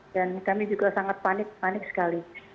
dan kami juga sangat panik panik sekali